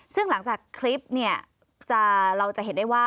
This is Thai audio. ซึ่งหลังจากคลิปเนี่ยเราจะเห็นได้ว่า